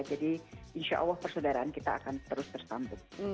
jadi insya allah persaudaraan kita akan terus tersambung